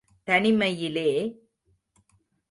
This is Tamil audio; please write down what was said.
தனிமையிலேயே அவர்கள் காலம் கழிக்க வேண்டியதுதான்.